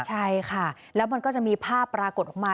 ใช่ค่ะแล้วมันก็จะมีภาพปรากฏออกมา